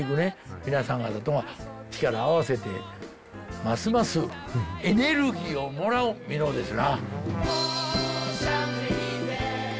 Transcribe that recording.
皆さん方と力を合わせてますますエネルギーをもらう箕面ですな。